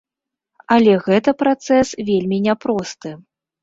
Але гэта працэс вельмі няпросты.